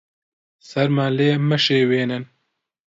سەرمان لێ مەشێوێنن.